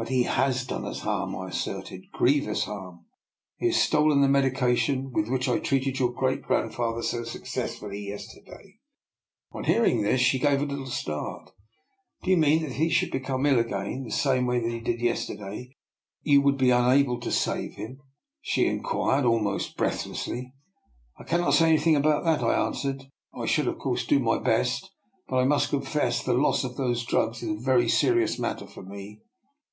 But he has done us harm," I asserted — grievous harm. He has stolen the medi cine with which I treated your great grand father so successfully yesterday." On hearing this she gave a little start. it 122 I>R NIKOLA'S EXPERIMENT. I " Do you mean that if he should become ill again in the same way that he did yester day, you would be unable to save him? " she inquired, almost breathlessly. *' I cannot say anything about that," I an swered. " I should of course do my best, but I must confess the loss of those drugs is a very serious matter for me.